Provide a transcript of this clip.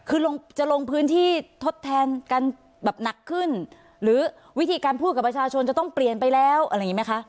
คือลงจะลงพื้นที่ทดแทนกันแบบหนักขึ้นหรือวิธีการพูดกับประชาชนจะต้องเปลี่ยนไปแล้วอะไรอย่างนี้ไหมคะ